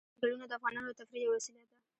چنګلونه د افغانانو د تفریح یوه وسیله ده.